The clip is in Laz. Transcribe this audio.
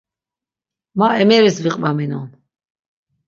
Ma emeris viqvaminon.